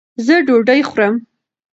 زۀ ډوډۍ خورم